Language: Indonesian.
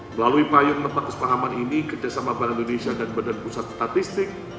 melalui payung nota kesepahaman ini kerjasama bank indonesia dan badan pusat statistik